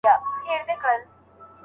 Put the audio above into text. څېړونکی به سبا په کتابتون کي مطالعه کوي.